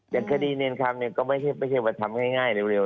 อย่างคดีเนรคำเนี่ยก็ไม่ใช่ว่าทำง่ายเร็ว